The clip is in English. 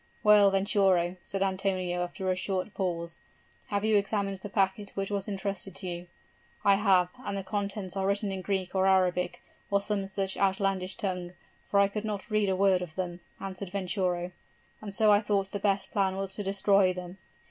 'Well, Venturo,' said Antonio, after a short pause, 'have you examined the packet which was intrusted to you?' 'I have, and the contents are written in Greek or Arabic, or some such outlandish tongue, for I could not read a word of them,' answered Venturo; 'and so I thought the best plan was to destroy them.'